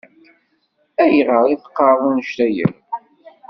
Ayɣer ay teqqareḍ anect-a akk?